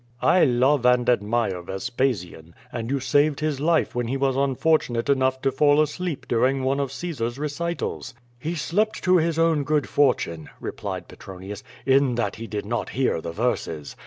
^'I love and admire Vespasian, and you saved his life when he was unfortunate enough to fall asleep during one of Caesar's recitals." He slept to his own good fortune,'' replied Petronius, "in that he did not hear the verses.